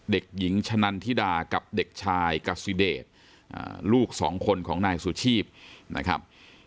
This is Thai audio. เด็กหญิงชะนันทิดากับเด็กชายกัสซิเดชลูกสองคนของนายสุชีพนะครับ